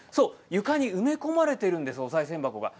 床に埋め込まれているんですおさい銭箱が。